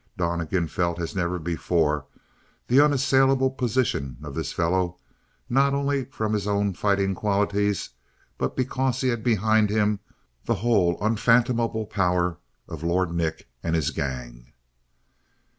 Donnegan felt as never before the unassailable position of this fellow; not only from his own fighting qualities, but because he had behind him the whole unfathomable power of Lord Nick and his gang.